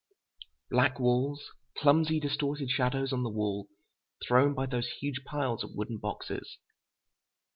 Black walls, clumsy, distorted shadows on the wall, thrown by those huge piles of wooden boxes.